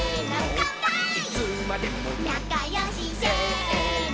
「なかよし」「せーの」